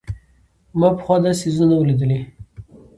ما پخوا داسې څيزونه نه وو لېدلي.